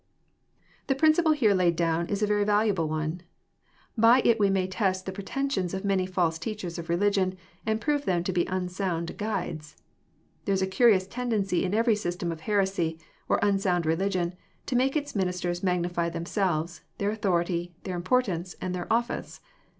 """"^. The principle here laid down is a very valuable one. By it we may test the pretensions of many false teachers of religion, and prove them to be unsound guides. There is a curious ten dency in evei'ysystem of heresy, or unsound religion, to make its ministers magnify themselves, their authority, their im portance, and their office.